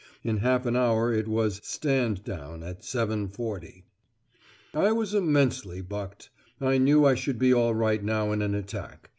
In half an hour it was 'stand down' at 7.40. I was immensely bucked. I knew I should be all right now in an attack.